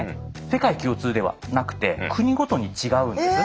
世界共通ではなくて国ごとに違うんです。